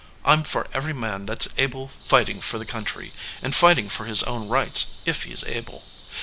I m for every man that s able fighting for the country, and fighting for his own rights if he s able.